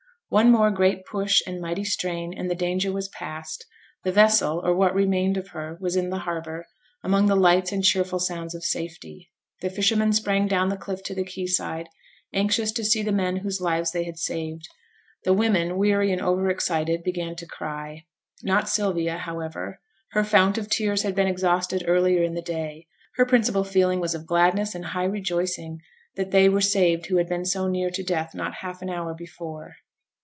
One more great push and mighty strain, and the danger was past; the vessel or what remained of her was in the harbour, among the lights and cheerful sounds of safety. The fishermen sprang down the cliff to the quay side, anxious to see the men whose lives they had saved; the women, weary and over excited, began to cry. Not Sylvia, however; her fount of tears had been exhausted earlier in the day: her principal feeling was of gladness and high rejoicing that they were saved who had been so near to death not half an hour before.